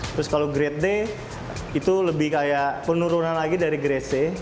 terus kalau grade d itu lebih kayak penurunan lagi dari grade c